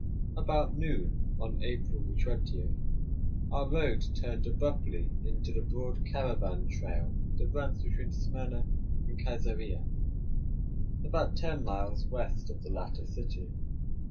About noon on April 20, our road turned abruptly into the broad caravan trail that runs between Smyrna and Kaisarieh, about ten miles west of the latter city.